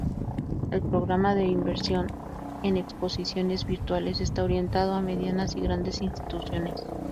El Programa de Inversión en Exposiciones Virtuales está orientado a medianas y grandes instituciones.